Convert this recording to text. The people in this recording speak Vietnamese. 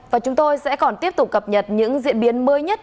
và chúng tôi sẽ còn tiếp tục cập nhật những diễn biến mới nhất